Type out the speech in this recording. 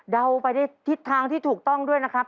เดาไปในทิศทางที่ถูกต้องด้วยนะครับ